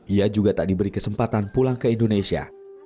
ia juga tak diberi kesempatan pulang ke indonesia